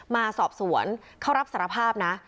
มาสอบสวนเขารับสารภาพนะ